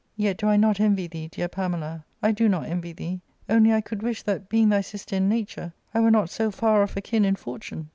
Yet do I not envy thee, dear Pamela, I do not envy thee ; only I could wish that, being" thy sister in nature, I were not so far off akin in fortune."